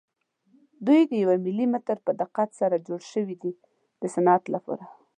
دوی د یو ملي متر په دقت سره جوړ شوي دي د صنعت لپاره.